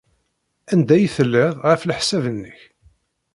Anda ay tellid, ɣef leḥsab-nnek?